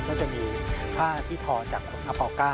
ก็จะมีผ้าที่ทอจากอป้า